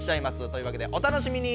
というわけでお楽しみに。